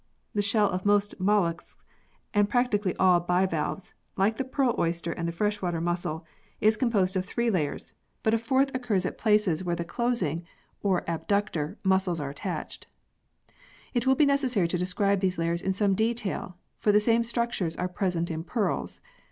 The shell of most molluscs, and practically all bivalves, like the pearl oyster and the fresh water mussels, is composed of three layers, but a fourth Ill] THE PEARL OYSTER 21 occurs at places where the closing (or adductor) muscles are attached. It will be necessary to describe these layers in some detail, for the same structures are present in pearls.